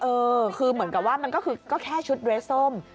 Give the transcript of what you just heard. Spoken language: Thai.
เออคือเหมือนกับว่ามันก็คือก็แค่ชุดเรสส้ม